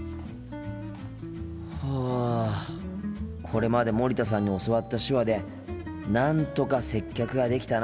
これまで森田さんに教わった手話でなんとか接客ができたなあ。